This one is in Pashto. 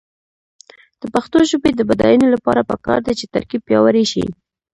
د پښتو ژبې د بډاینې لپاره پکار ده چې ترکیب پیاوړی شي.